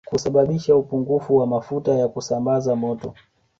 Kusababisha upungufu wa mafuta ya kusambaza moto